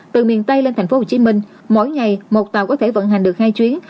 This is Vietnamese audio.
từ miền tây lên tp hcm mỗi ngày một tàu có thể vận hành được hai chuyến